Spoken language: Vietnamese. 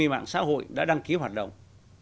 bốn trăm hai mươi mạng xã hội đã đăng ký hoạt động